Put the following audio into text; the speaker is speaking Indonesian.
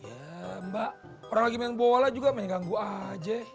ya mbak orang lagi main bola juga mengganggu aja